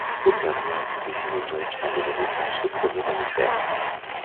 Au Carnien, des cynodontes vont donner naissance aux premiers mammifères.